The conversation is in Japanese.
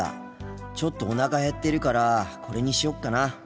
ちょっとおなかへってるからこれにしよっかな。